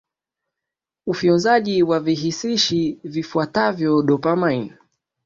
ufyonzwaji wa vihisishi vifuatavyo dopamine